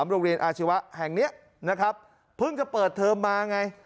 โรงเรียนอาชีวะแห่งนี้นะครับเพิ่งจะเปิดเทอมมาไง